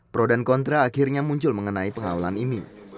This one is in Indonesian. pro dan kontra akhirnya muncul mengenai pengawalan ini